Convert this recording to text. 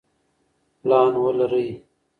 پلان ولرئ.